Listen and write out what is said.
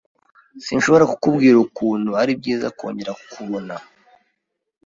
Sinshobora kukubwira ukuntu ari byiza kongera kukubona.